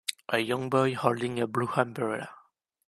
A young boy holding a blue umbrella.